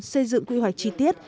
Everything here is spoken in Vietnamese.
xây dựng quy hoạch chi tiết